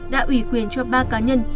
đã ủy quyền cho ba cá nhân